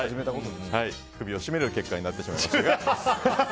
首を絞める結果になってしまいましたが。